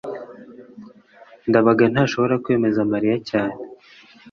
ndabaga ntashobora kwemeza mariya cyane